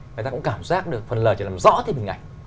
người ta cũng cảm giác được phần lời chỉ làm rõ thêm hình ảnh